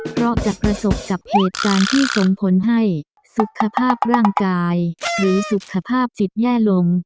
เพราะจะประสบกับเหตุการณ์ที่ส่งผลให้สุขภาพร่างกายหรือสุขภาพจิตแย่ลง